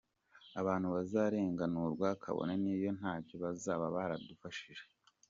Abantu bazarenganurwa kabone n’iyo ntacyo bazaba baradufashije.